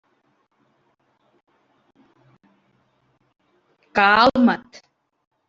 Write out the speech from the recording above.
Calma't.